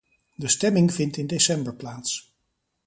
De stemming vindt in december plaats.